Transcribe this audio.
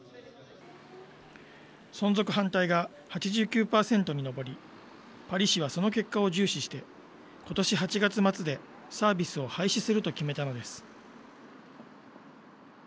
存続反対が８９％に上り、パリ市はその結果を重視して、ことし８月末でサービスを廃止すると決めたのです。